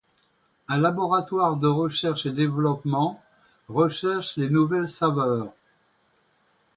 Un laboratoire de recherche et développement recherche les nouvelles saveurs.